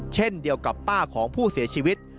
เช่นเดียวกับป้าของผู้เสียชีวิต